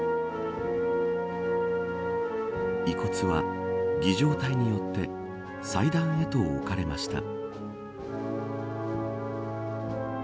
遺骨は儀仗隊によって祭壇へと置かれました。